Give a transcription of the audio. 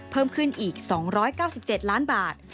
เพิ่มขึ้นอีก๒๙๗ล้านบาท